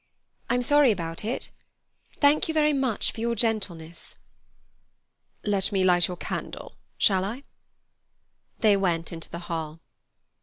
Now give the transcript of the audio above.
I'm sorry about it. Thank you very much for your gentleness." "Let me light your candle, shall I?" They went into the hall.